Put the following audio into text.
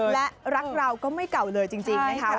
และรักเราก็ไม่เก่าเลยจริงนะคะ